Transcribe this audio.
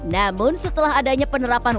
namun setelah adanya penerapan